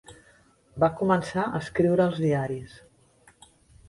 Va començar a escriure als diaris.